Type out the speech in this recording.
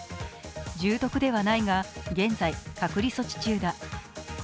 重篤ではないが、現在、隔離措置中だ。